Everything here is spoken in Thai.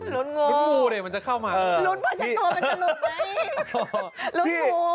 รุ้นงูรุ้นมัชโตมันจะรุ้นไงรุ้นงูว่ะ